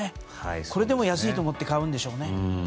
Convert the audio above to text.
これでも安いと思って買うんでしょうね。